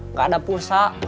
nggak ada pulsa